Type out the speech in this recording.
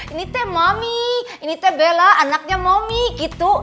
ini teh mami ini teh bella anaknya momi gitu